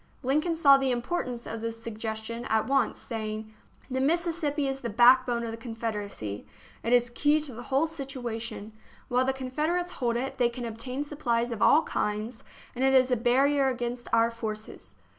Lincoln saw the importance of this suggestion at once, saying: " The Mississippi is the backbone of the Confederacy. It is the key to the whole situa tion. While the Confederates hold it, they can ob tain supplies of all kinds, and it is a barrier against our forces."